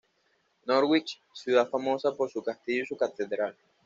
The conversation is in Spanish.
Norwich: Ciudad famosa por su castillo y su catedral.